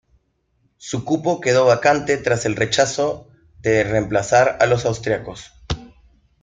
Su cupo quedó vacante tras el rechazo de de reemplazar a los austríacos.